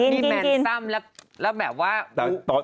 กินและแบบว่าแนวนมีแมนซ่ำและแบบว่า